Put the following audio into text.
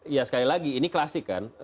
ya sekali lagi ini klasik kan